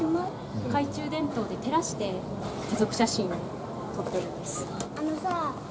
懐中電灯で照らして家族写真を撮ってるんです。